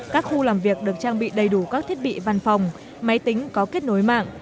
các khu làm việc được trang bị đầy đủ các thiết bị văn phòng máy tính có kết nối mạng